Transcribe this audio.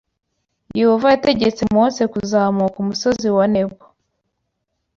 Yehova yategetse Mose kuzamuka Umusozi wa Nebo